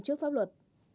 trước pháp luật